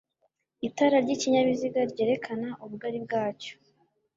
itara ry'ikinyabiziga ryerekana ubugari bwacyo